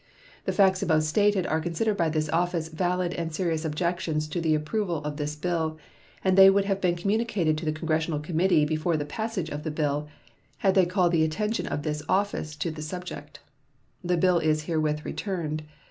The facts above stated are considered by this office valid and serious objections to the approval of this bill, and they would have been communicated to the Congressional committee before the passage of the bill had they called the attention of this office to the subject. The bill is herewith returned.